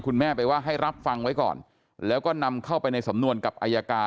คุณแม่ไปว่าให้รับฟังไว้ก่อนแล้วก็นำเข้าไปในสำนวนกับอายการ